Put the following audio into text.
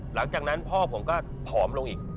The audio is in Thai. หลังจากนั้นพ่อผมก็ผอมลงอีก